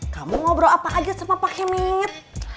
kamu ngobrol apa aja sama pak hamid